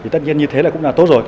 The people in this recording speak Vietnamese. tất nhiên như thế là cũng là tốt rồi